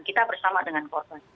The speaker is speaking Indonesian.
kita bersama dengan korban